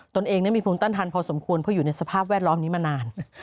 ตัวเองมีภูมิต้านทันพอสมควรเพราะอยู่ในสภาพแวดล้อมนี้มานาน